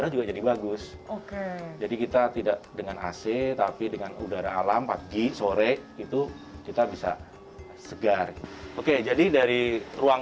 jadi kita tidak dengan ac tapi dengan udara alam pagi sore itu kita bisa segar oke jadi dari ruang